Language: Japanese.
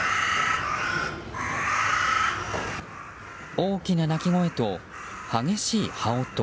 大きな鳴き声と激しい羽音。